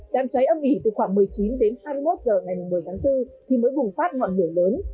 đám cháy âm ủy từ khoảng một mươi chín h đến hai mươi một h ngày một mươi tháng bốn khi mới bùng phát ngọn lửa lớn